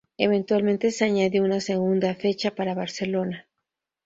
Eventualmente, se añadió una segunda fecha para Barcelona.